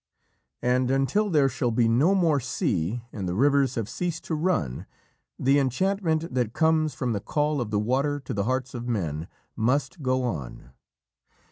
And until there shall be no more sea and the rivers have ceased to run, the enchantment that comes from the call of the water to the hearts of men must go on.